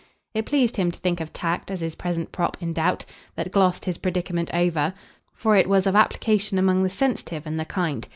It pleased him to think of "tact" as his present prop in doubt; that glossed his predicament over, for it was of application among the sensitive and the kind.